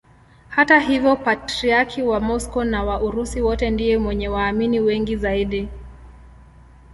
Hata hivyo Patriarki wa Moscow na wa Urusi wote ndiye mwenye waamini wengi zaidi.